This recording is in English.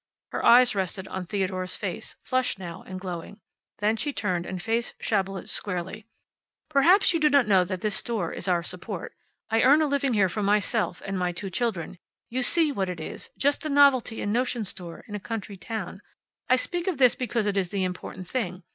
Her eyes rested on Theodore's face, flushed now, and glowing. Then she turned and faced Schabelitz squarely. "Perhaps you do not know that this store is our support. I earn a living here for myself and my two children. You see what it is just a novelty and notion store in a country town. I speak of this because it is the important thing.